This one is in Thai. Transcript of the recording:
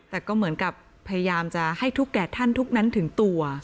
แต่ก็เหมือนกับพยายามจะให้ทุกแก่ท่านทุกนั้นถึงตัว